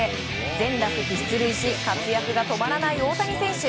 全打席出塁し活躍が止まらない大谷選手。